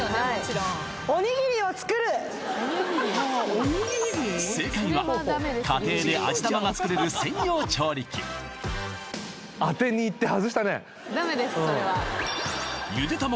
・おにぎりを作る正解は家庭で味玉が作れる専用調理器ダメです